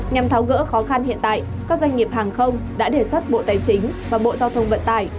nhằm tháo gỡ khó khăn hiện tại các doanh nghiệp hàng không đã đề xuất bộ tài chính và bộ giao thông vận tải